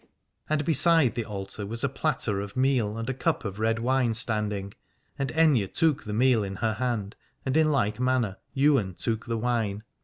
And beside the altar was a platter of meal and a cup of red wine standing: and Aithne took the meal into her hand, and in like manner Ywain took the wine.